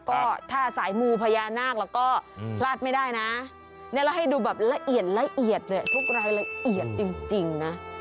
ก็ถ้าสายมูพญานาคเราก็พลาดไม่ได้นะนี่เราให้ดูแบบละเอียดละเอียดเลยทุกรายละเอียดจริงนะ